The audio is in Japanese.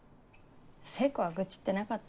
聖子は愚痴ってなかったよ。